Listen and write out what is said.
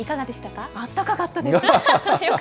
あったかかったです。